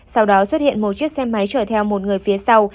sau đó xuất hiện một chiếc xe máy chở theo một người phía sau